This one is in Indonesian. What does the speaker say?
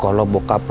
coba untuk ibu